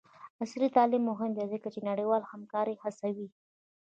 عصري تعلیم مهم دی ځکه چې د نړیوالې همکارۍ هڅوي.